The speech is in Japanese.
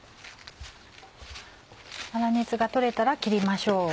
粗熱がとれたら切りましょう。